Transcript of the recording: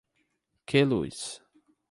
Queluz